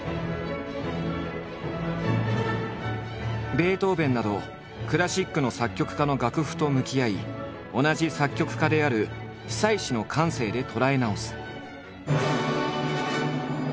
ベートーベンなどクラシックの作曲家の楽譜と向き合い同じ作曲家である久石の感性で捉え直す。